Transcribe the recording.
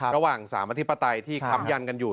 ระหว่างสามอธิปไตยที่ค้ำยันกันอยู่